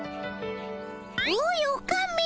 おいオカメ！